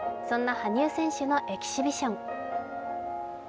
そんな羽生選手のエキシビション。